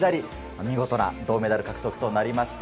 見事な銅メダル獲得となりました。